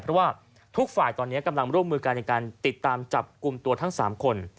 เพราะว่าทุกฝ่ายตอนนี้กำลังร่วมมือกันในการติดตามจับกลุ่มตัวทั้ง๓คน